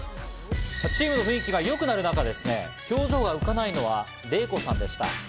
チームの雰囲気が良くなる中でですね、表情が浮かないのはレイコさんでした。